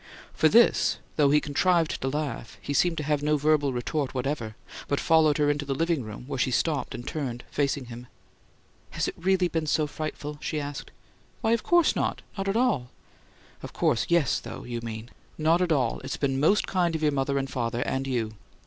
For this, though he contrived to laugh, he seemed to have no verbal retort whatever; but followed her into the "living room," where she stopped and turned, facing him. "Has it really been so frightful?" she asked. "Why, of course not. Not at all." "Of course yes, though, you mean!" "Not at all. It's been most kind of your mother and father and you."